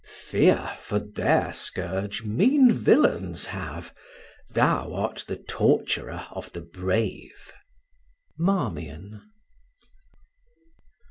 Fear, for their scourge, mean villains have; Thou art the torturer of the brave. Marmion.